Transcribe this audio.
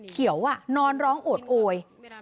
เขียวนอนร้องโอดโอย